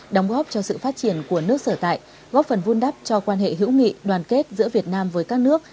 đóng góp cho sự phát triển của nước sở tại góp phần vun đắp cho quan hệ hữu nghị đoàn kết giữa việt nam với các nước